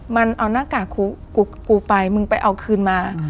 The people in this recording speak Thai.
มันเอาหน้ากากกูไปมึงไปเอาคืนมา